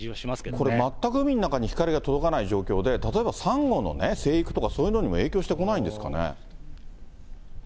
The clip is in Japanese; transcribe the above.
これ全く海の中に光が届かない状況で、例えばサンゴのね、成育とかそういうのにも影響してこないんですかね。